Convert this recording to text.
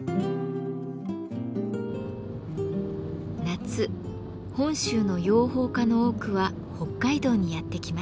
夏本州の養蜂家の多くは北海道にやって来ます。